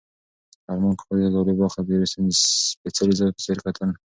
ارمان کاکا د زردالو باغ ته د یو سپېڅلي ځای په څېر کتل.